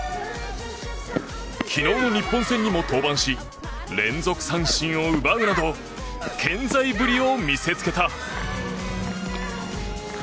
昨日の日本戦にも登板し連続三振を奪うなど健在ぶりを見せつけた。